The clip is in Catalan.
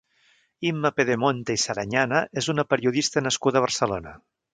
Imma Pedemonte i Sarañana és una periodista nascuda a Barcelona.